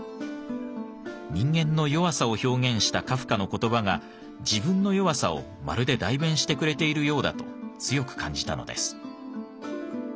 人間の弱さを表現したカフカの言葉が自分の弱さをまるで代弁してくれているようだと強く感じたのです。